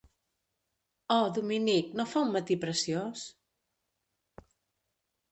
Oh, Dominic, no fa un matí preciós?